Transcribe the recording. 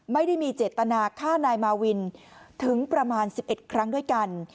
ไม่ได้มีเจตนาฆ่านายมาวินถึงประมาณ๑๑ครั้งด้วยกัน